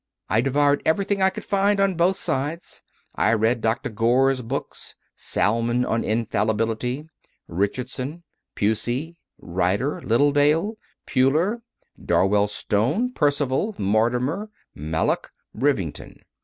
I devoured everything I could find, on both sides. I read Dr. Gore s books, Salmon on Infallibility, Richardson, Pusey, Ryder, Littledale, Puller, Dar well Stone, Percival, Mortimer, Mallock, Rivington.